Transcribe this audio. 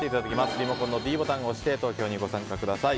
リモコンのｄボタンを押して投票にご参加ください。